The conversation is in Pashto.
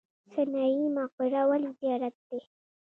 سنايي مقبره ولې زیارت دی؟